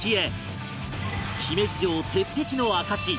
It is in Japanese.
姫路城鉄壁の証し